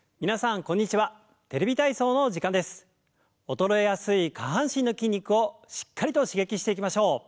衰えやすい下半身の筋肉をしっかりと刺激していきましょう。